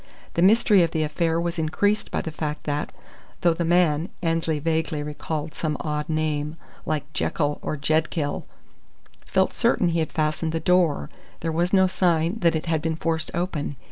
The mystery of the affair was increased by the fact that, though the man (Annesley vaguely recalled some odd name, like Jekyll or Jedkill) felt certain he had fastened the door, there was no sign that it had been forced open.